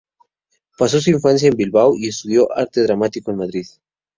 Pasó su infancia en Bilbao y estudió Arte Dramático en Madrid.